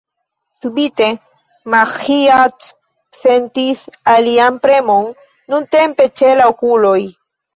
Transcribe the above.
Subite, Maĥiac sentis alian premon, nuntempe ĉe la okuloj.